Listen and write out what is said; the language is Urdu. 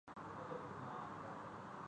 فیس بک سماجی مدد